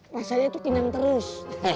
rasanya itu kinam terus